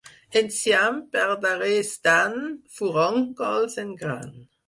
Enciam per darrers d'any, furóncols en gran.